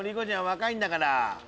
若いんだから。